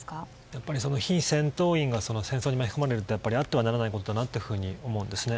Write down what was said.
やっぱり非戦闘員が戦争に巻き込まれるというのはあってはならないことだなと思うんですね。